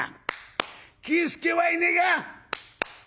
喜助はいねえが？」。